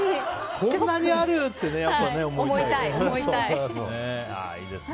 こんなにある！って思いたいですよね。